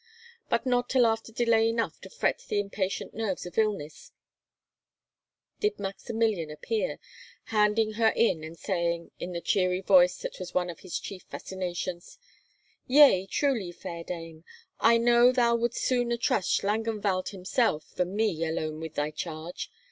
But not till after delay enough to fret the impatient nerves of illness did Maximilian appear, handing her in, and saying, in the cheery voice that was one of his chief fascinations, "Yea, truly, fair dame, I know thou wouldst sooner trust Schlangenwald himself than me alone with thy charge.